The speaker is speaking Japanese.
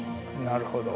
なるほど。